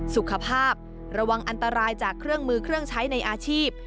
สุขภาพระวังอันตรายจากเครื่องมือเครื่องใช้ในอาชีพ